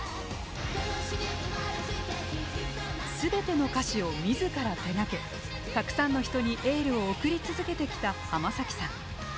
すべての歌詞をみずから手がけたくさんの人にエールを送り続けてきた浜崎さん。